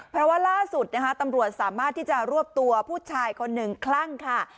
เพราะว่าล่าสุดนะคะตำรวจสามารถที่จะรวบตัวผู้ชายคนหนึ่งคลั่งค่ะ